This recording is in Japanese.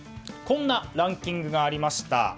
こんなランキングがありました。